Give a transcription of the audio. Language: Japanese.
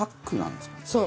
そう。